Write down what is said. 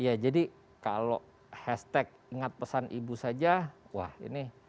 ya jadi kalau hashtag ingat pesan ibu saja wah ini